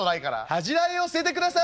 「恥じらいを捨ててください」。